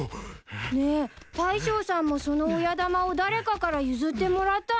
ねえ大将さんもその親玉を誰かから譲ってもらったの？